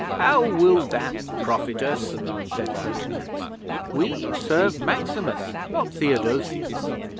'"How will that profit us?" said Pertinax. "We serve Maximus, not Theodosius.